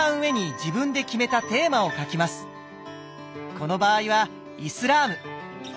この場合は「イスラーム」。